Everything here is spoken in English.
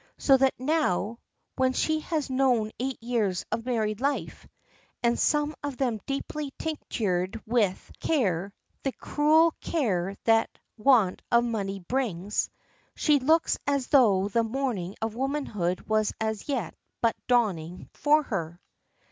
So that now, when she has known eight years of married life (and some of them deeply tinctured with care the cruel care that want of money brings), she still looks as though the morning of womanhood was as yet but dawning for her.